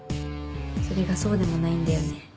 それがそうでもないんだよね。